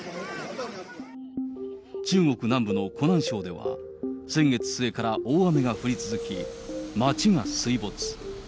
中国南部の湖南省では、先月末から大雨が降り続き、街が水没。